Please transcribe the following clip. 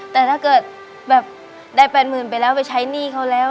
แต่ถ้าเกิดแบบได้๘๐๐๐ไปแล้วไปใช้หนี้เขาแล้ว